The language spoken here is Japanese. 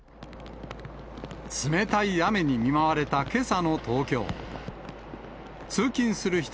冷たい雨に見舞われたけさの東京。